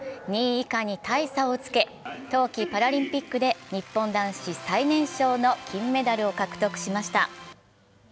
２位以下に大差をつけ冬季パラリンピックで日本男子最年少の金メダルを獲得しました。